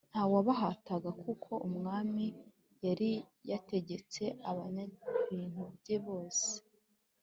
nta wabahataga kuko umwami yari yategetse abanyabintu bye bose